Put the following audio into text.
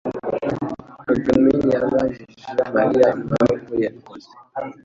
kagameyabajije Mariya impamvu yabikoze.